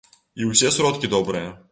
І ўсё сродкі добрыя.